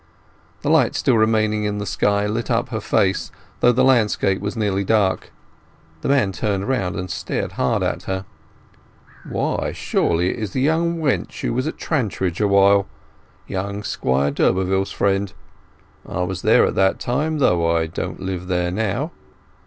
The light still remaining in the sky lit up her face, though the landscape was nearly dark. The man turned and stared hard at her. "Why, surely, it is the young wench who was at Trantridge awhile—young Squire d'Urberville's friend? I was there at that time, though I don't live there now."